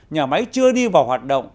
nhà máy chưa đi vào hoạt động